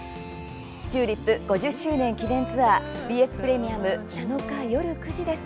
「ＴＵＬＩＰ５０周年記念ツアー」ＢＳプレミアム７日、夜９時です。